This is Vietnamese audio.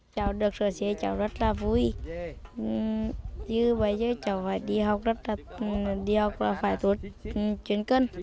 cháu được sửa chữa cháu rất là vui như bây giờ cháu phải đi học rất là vui đi học là phải tốt chuyên cân